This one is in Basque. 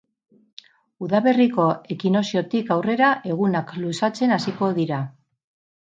Udaberriko ekinoziotik aurrera, egunak luzatzen hasiko dira.